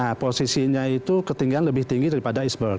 nah posisinya itu ketinggian lebih tinggi daripada easberg